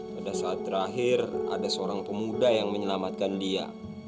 pada saat terakhir ada seorang pemuda yang menyelamatkan dia